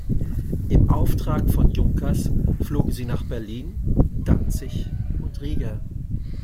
Im Auftrag von Junkers flogen sie nach Berlin, Danzig und Riga.